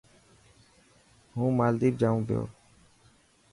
هون مالديپ جائون پيو.